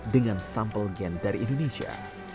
dengan sampel gen dari indonesia